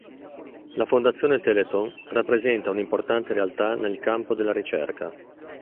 La Fondazione Telethon rappresenta un'importante realtà nel campo della ricerca.